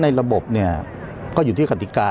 ระบบเนี่ยก็อยู่ที่กติกา